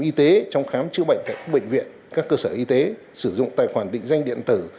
y tế trong khám chữa bệnh tại các bệnh viện các cơ sở y tế sử dụng tài khoản định danh điện tử